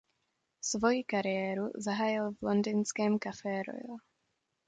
Svoji kariéru zahájil v londýnském Café Royal.